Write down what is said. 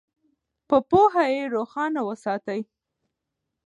په پوهه یې روښانه وساتئ.